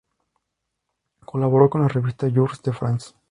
Colaboró con la revista "Jours de France".